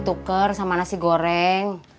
tuker sama nasi goreng